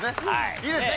いいですね？